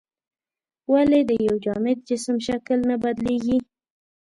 ولې د یو جامد جسم شکل نه بدلیږي؟